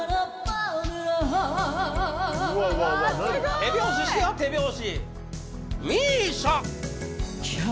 手拍子しや、手拍子。